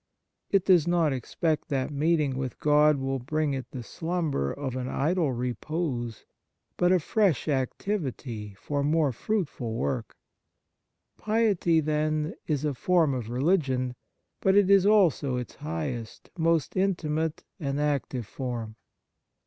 It does not ex pect that meeting with God will bring it the slumber of an idle repose, but a fresh activity for more fruitful work. 24 The Nature of Piety Piety, then, is a form of religion, but it is also its highest, most inti mate and active form.